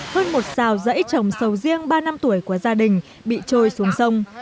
hơn một xào dãy trồng sầu riêng ba năm tuổi của gia đình bị trôi xuống sông